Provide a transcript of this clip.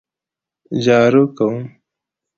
جارو کوم